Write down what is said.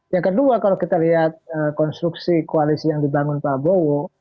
yang kedua kalau kita lihat konstruksi koalisi yang dibangun pak bowo